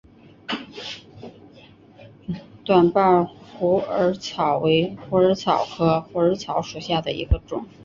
短瓣虎耳草为虎耳草科虎耳草属下的一个种。